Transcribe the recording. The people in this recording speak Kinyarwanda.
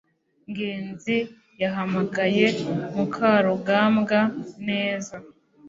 ngenzi yahamagaye mukarugambwa neza